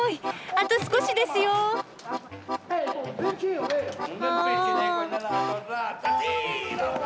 あと少しですよ！ああ。